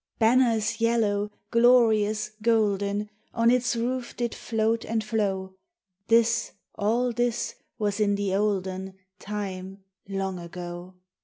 Banners yellow, glorious, golden, On its roof did float and flow (This — all this — was in the olden Time long ago), MYTHICAL: LEGENDARY.